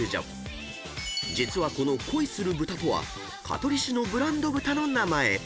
［実はこの恋する豚とは香取市のブランド豚の名前］